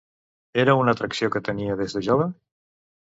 Era una atracció que tenia des de jove?